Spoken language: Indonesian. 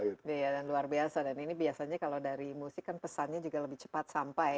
iya dan luar biasa dan ini biasanya kalau dari musik kan pesannya juga lebih cepat sampai